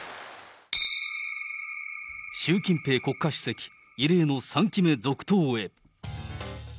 習近平国家主席、異例の３期目続投へ。